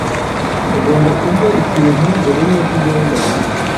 Ugomba kurya ikintu mbere yuko ugenda.